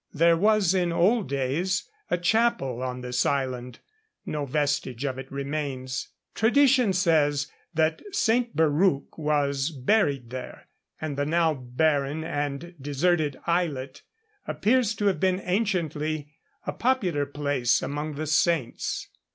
There was in old days a chapel on this island; no vestige of it remains. Tradition says that St. Barruc was buried there, and the now barren and deserted islet appears to have been anciently a popular place among the saints.